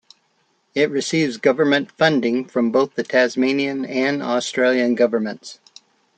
It receives government funding from both the Tasmanian and Australian governments.